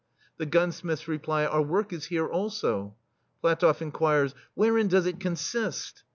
The gunsmiths reply : "Our work is here, also. PlatofF inquires :" Wherein does it consist